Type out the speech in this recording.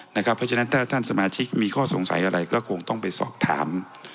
เพราะฉะนั้นถ้าท่านสมาชิกมีข้อสงสัยอะไรก็คงต้องไปสอบถาม